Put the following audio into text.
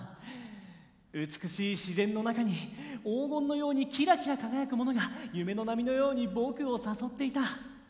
美しい自然の中に黄金のようにきらきら輝くものが夢の波のように僕を誘っていた。